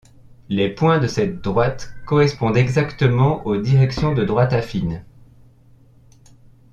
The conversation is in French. Les points de cette droite correspondent exactement aux directions de droites affines.